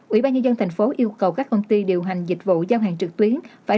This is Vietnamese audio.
ủy ban nhân dân thành phố yêu cầu các công ty điều hành dịch vụ giao hàng trực tuyến